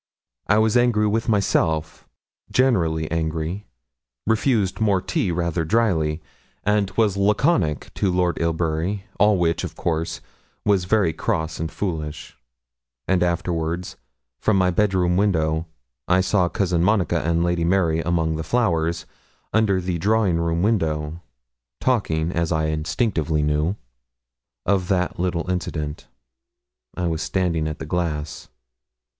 I was angry with myself generally angry refused more tea rather dryly, and was laconic to Lord Ilbury, all which, of course, was very cross and foolish; and afterwards, from my bed room window, I saw Cousin Monica and Lady Mary among the flowers, under the drawing room window, talking, as I instinctively knew, of that little incident. I was standing at the glass.